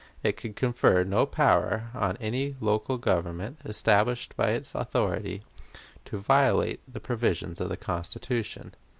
It could confer no power on any local government, established by its authority, to violate the provisions of the Constitution....